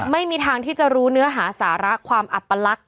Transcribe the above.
ไม่มีทางที่จะรู้เนื้อหาสาระความอัปลักษณ